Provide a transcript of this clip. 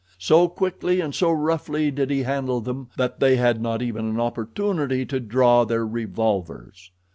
So quickly and so roughly did he handle them that they had not even an opportunity to draw their revolvers.